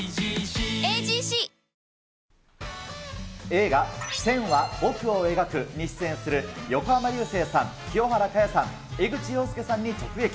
映画、線は、僕を描くに出演する、横浜流星さん、清原果耶さん、江口洋介さんに直撃。